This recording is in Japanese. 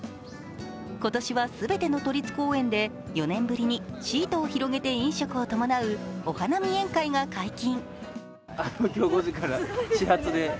今年は全ての都立公園で４年ぶりにシートを広げて飲食を伴う、お花見宴会が解禁。